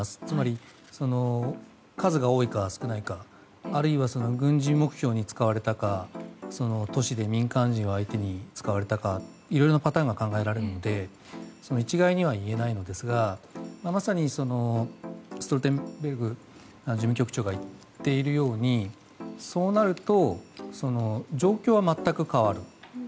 つまり、数が多いか少ないかあるいは軍事目標に使われたか都市で民間人を相手に使われたか、いろいろなパターンが考えられるので一概には言えないんですがまさにストルテンベルグ事務総長が言っているようにそうなると状況は全く変わる。